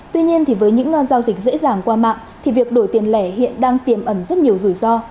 tuy nhiên thì với những giao dịch dễ dàng qua mạng thì việc đổi tiền lẻ hiện đang tiềm ẩn rất nhiều rủi ro